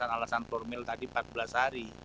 dengan alasan formil tadi empat belas hari